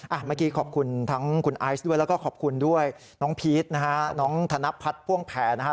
อ่ะเมื่อกี้ขอบคุณทั้งคุณไอส์ด้วยแล้วก็ขอบคุณด้วยน้องพรีศเราฮะ